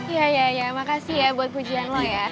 ya ya ya makasih ya buat pujian lo ya